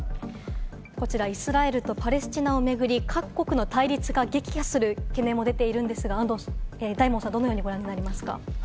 イスラエルとパレスチナを巡り、各国の対立が激化する懸念も出ているんですが、大門さん、どのようにご覧になりますか？